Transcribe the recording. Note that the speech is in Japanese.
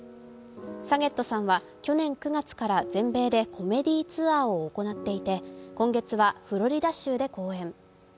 サゲットさんは去年９月から全米でコメディーツアーを行っていて今月はフロリダ州で公演。